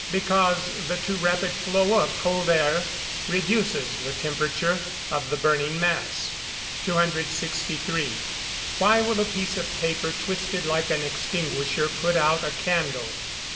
_ Because the too rapid flow of cold air reduces the temperature of the burning mass. 263. _Why will a piece of paper twisted like an extinguisher put out a candle?